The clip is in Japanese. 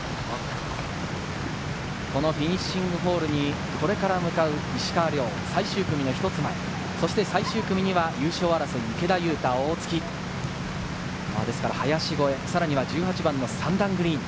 このフィニッシングホールにこれから向かう石川遼、最終組の１つ前、そして最終組には優勝争い、池田勇太、大槻、林越え、さらには１８番の３段グリーン。